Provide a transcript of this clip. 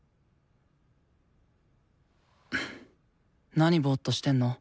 なにぼっとしてんの？